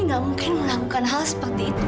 gak mungkin melakukan hal seperti itu